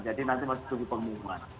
jadi nanti masih tunggu pengumuman